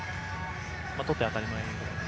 とって当たり前ぐらいの？